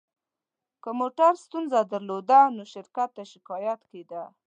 که موټر ستونزه درلوده، نو شرکت ته شکایت کېده.